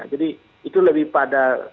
jadi itu lebih pada